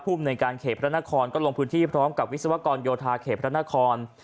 ภูมิในการเขตพระนครก็ลงพื้นที่พร้อมกับวิศวกรโยธาเขตพระนคร